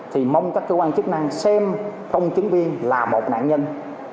thì mong các cơ quan chức năng xem công chứng viên là một nạn nhân